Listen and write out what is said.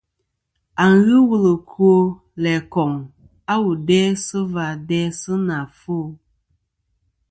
À n-ghɨ wul ɨkwo, læ koŋ a wu dæsɨ vâ dæsɨ nɨ àfo.